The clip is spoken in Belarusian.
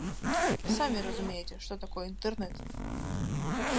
Самі разумееце, што такое інтэрнэт.